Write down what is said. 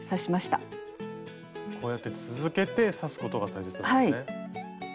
こうやって続けて刺すことが大切なんですね。